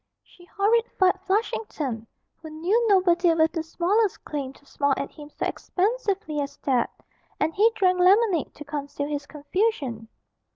She horrified Flushington, who knew nobody with the smallest claim to smile at him so expansively as that, and he drank lemonade to conceal his confusion.